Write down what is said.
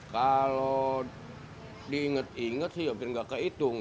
kalau diingat ingat sih hampir nggak kehitung